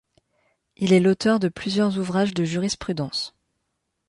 Il est l'auteur de plusieurs ouvrages de jurisprudence.